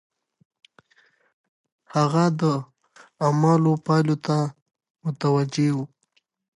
هغه د اعمالو پايلو ته متوجه و.